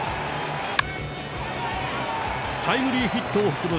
タイムリーヒットを含む